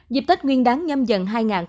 dịp tết nguyên đáng nhằm dần hai nghìn hai mươi hai